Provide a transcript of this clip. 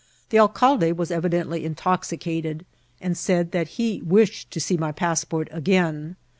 The alcalde was evidently intoxicated, and said that he wished to see my passport again.